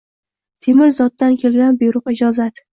Temir zotdan kelgan buyruq — ijozat